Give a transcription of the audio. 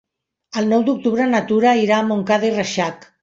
El nou d'octubre na Tura irà a Montcada i Reixac.